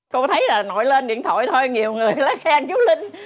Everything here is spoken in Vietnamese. cô thấy là nội lên điện thoại thôi nhiều người là khen chú linh